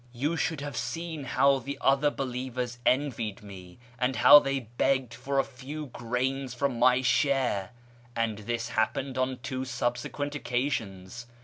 You should have seen how the other believers envied me, and how they begged for a few grains from my share ! And this happened on two subsequent occasions.